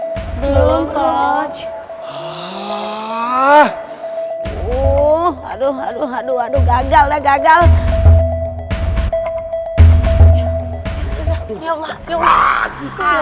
hai belum coach ah uh aduh aduh aduh aduh gagal gagal